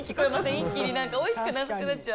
一気に何かおいしくなくなっちゃう。